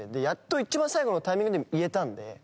やっと一番最後のタイミングで言えたんで。